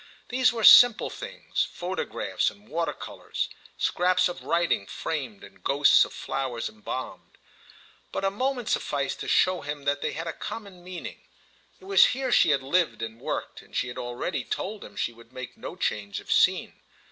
These were simple things—photographs and water colours, scraps of writing framed and ghosts of flowers embalmed; but a moment sufficed to show him they had a common meaning. It was here she had lived and worked, and she had already told him she would make no change of scene.